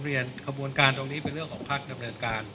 เรียนขบวนการตรงนี้เป็นเรื่องของภักดิ์ดำเนินการ